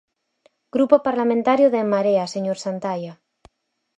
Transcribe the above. Grupo Parlamentario de En Marea, señor Santaia.